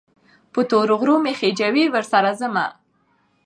په تورو غرو مې خېژوي، ورسره ځمه